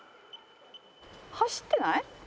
走ってない？